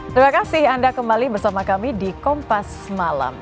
terima kasih anda kembali bersama kami di kompas malam